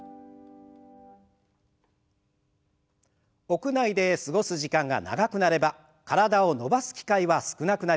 屋内で過ごす時間が長くなれば体を伸ばす機会は少なくなります。